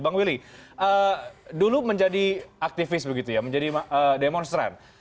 bang willy dulu menjadi aktivis begitu ya menjadi demonstran